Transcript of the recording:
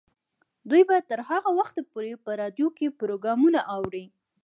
دوی به تر هغه وخته پورې په راډیو کې پروګرامونه اوري.